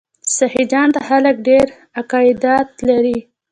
سخي جان ته خلک ډیر عقیدت لري.